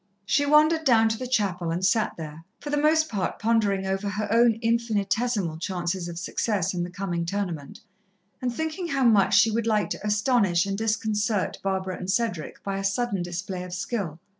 She wandered down to the chapel and sat there, for the most part pondering over her own infinitesimal chances of success in the coming tournament, and thinking how much she would like to astonish and disconcert Barbara and Cedric by a sudden display of skill.